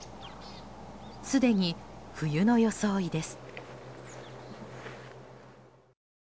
すでに冬の装いです。